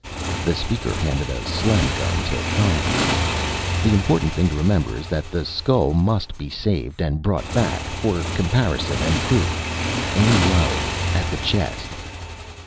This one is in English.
The Speaker handed a Slem gun to Conger. "The important thing to remember is that the skull must be saved and brought back for comparison and proof. Aim low at the chest."